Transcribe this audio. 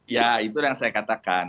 ya itu yang saya katakan